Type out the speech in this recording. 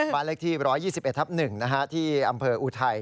บ้านเลขที่๑๒๑ทับ๑ที่อำเภออุทัย